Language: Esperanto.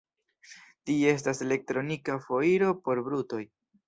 Tie estas elektronika foiro por brutoj.